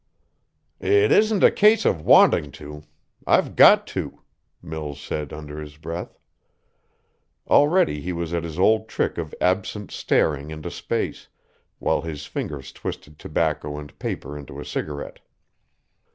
"It isn't a case of wanting to. I've got to," Mills said under his breath. Already he was at his old trick of absent staring into space, while his fingers twisted tobacco and paper into a cigarette.